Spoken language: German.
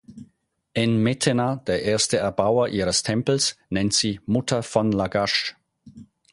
En-metena, der erste Erbauer ihres Tempels, nennt sie „Mutter von Lagasch“.